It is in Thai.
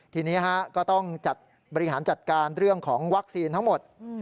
ทีนี้ก็ต้องจัดบริหารจัดการเรื่องของวัคซีนทั้งหมด